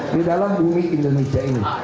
di dalam bumi indonesia ini